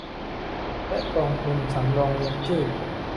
และกองทุนสำรองเลี้ยงชีพ